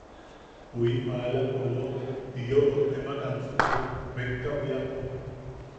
Ju in maala polobe, jijiokot nemak ansukai mekka bwiapo. .